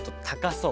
そう。